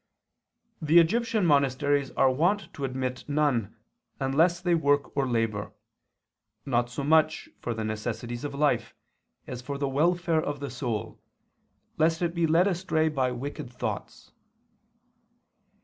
"The Egyptian monasteries are wont to admit none unless they work or labor, not so much for the necessities of life, as for the welfare of the soul, lest it be led astray by wicked thoughts."